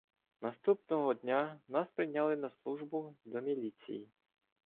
Наступного дня нас прийняли на службу до міліції.